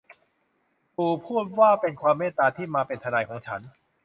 ปู่พูดว่า เป็นความเมตตาที่มาเป็นทนายของฉัน